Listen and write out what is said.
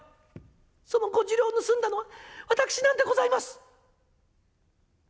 その５０両を盗んだのは私なんでございます。